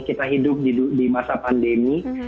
kita hidup di masa pandemi